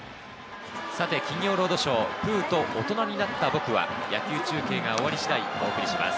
さて『金曜ロードショー』、『プーと大人になった僕』は野球中継が終わり次第お送りします。